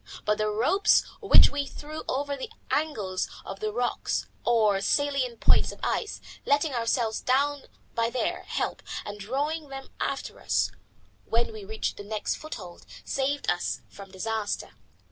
But the ropes which we threw over the angles of the rocks, or salient points of ice, letting ourselves down by their help and drawing them after us when we reached the next foothold, saved us from disaster.